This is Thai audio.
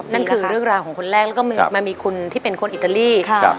นั่นคือเรื่องราวของคนแรกแล้วก็มันมีคุณที่เป็นคนอิตาลี